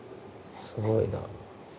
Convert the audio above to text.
すごいな。